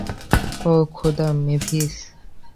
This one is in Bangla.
ওহ, খোদা, মেভিস!